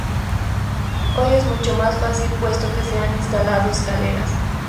Hoy es mucho más fácil puesto que se han instalado escaleras.